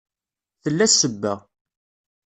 Tella sebba.